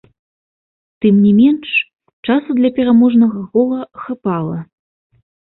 Тым не менш, часу для пераможнага гола хапала.